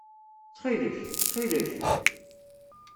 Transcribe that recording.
Ttxil-k! Ttxil-k!